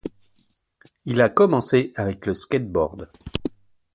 Il a commencé avec le stakeboard.